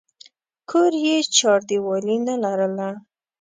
کور یې چاردیوالي نه لرله.